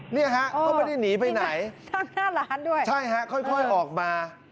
เนี่ยฮะเขาไม่ได้หนีไปไหนหน้าร้านด้วยใช่ฮะค่อยออกมา